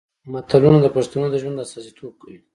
متلونه د پښتنو د ژوند استازیتوب کوي